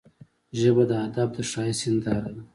ژبه د ادب د ښايست هنداره ده